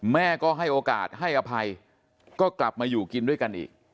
แม่ก็ให้โอกาสให้อภัยก็กลับมาอยู่กินด้วยกันอีก